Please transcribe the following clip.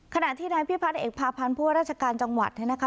ขณะที่นายพี่พันธุ์เอกพาพันธุ์พวกราชการจังหวัดนะคะ